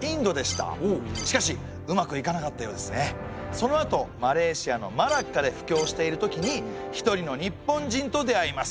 そのあとマレーシアのマラッカで布教している時に一人の日本人と出会います。